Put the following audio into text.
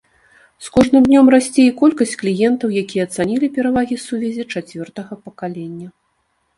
З кожным днём расце і колькасць кліентаў, якія ацанілі перавагі сувязі чацвёртага пакалення.